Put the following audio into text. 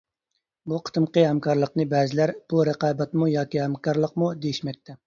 بۇ قېتىمقى ھەمكارلىقنى بەزىلەر بۇ رىقابەتمۇ ياكى ھەمكارلىقمۇ دېيىشمەكتە.